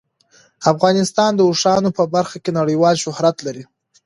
افغانستان د اوښانو په برخه کې نړیوال شهرت لري.